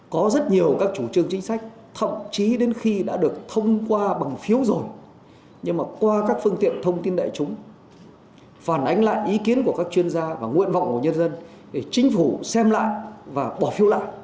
có rất nhiều các chủ trương chính sách thậm chí đến khi đã được thông qua bằng phiếu rồi nhưng mà qua các phương tiện thông tin đại chúng phản ánh lại ý kiến của các chuyên gia và nguyện vọng của nhân dân để chính phủ xem lại và bỏ phiếu lại